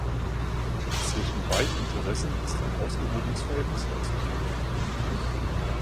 Zwischen beiden Interessen ist ein ausgewogenes Verhältnis herzustellen.